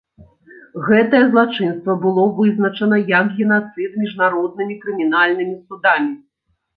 Гэтае злачынства было вызначана як генацыд міжнароднымі крымінальнымі судамі.